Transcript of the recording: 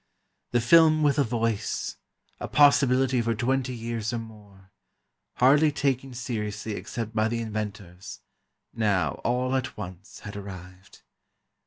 The film with a voice—a possibility for twenty years or more—hardly taken seriously except by the inventors—now, all at once, had arrived.